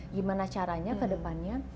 gimana caranya ke depannya